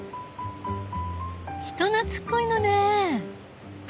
人懐っこいのね。